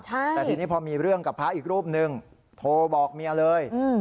แต่ทีนี้พอมีเรื่องกับพระอีกรูปนึงโทรบอกเมียเลย